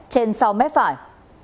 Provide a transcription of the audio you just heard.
trên sau mép phải